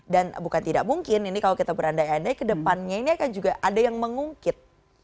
dan bukan tidak mungkin ini kalau kita berandai andai kedepannya ini akan juga ada yang mengungkit